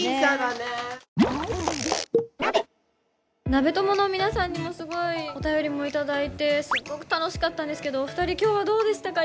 なべトモの皆さんにもすごいお便りも頂いてすっごく楽しかったんですけどお二人今日はどうでしたか？